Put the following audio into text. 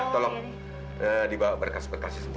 nah tolong dibawa berkas berkasnya semua ya